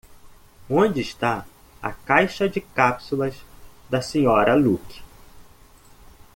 Onde está a caixa de cápsulas da Sra. Luke?